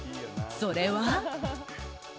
それは。